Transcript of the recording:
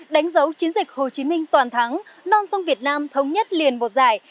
đánh dấu chiến dịch hồ chí minh toàn thắng non sông việt nam thống nhất liền một giải